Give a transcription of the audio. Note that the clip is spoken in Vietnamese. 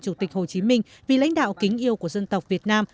chủ tịch hồ chí minh vì lãnh đạo kính yêu của dân tộc việt nam